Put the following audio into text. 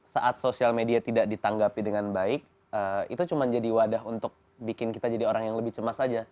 saat sosial media tidak ditanggapi dengan baik itu cuma jadi wadah untuk bikin kita jadi orang yang lebih cemas saja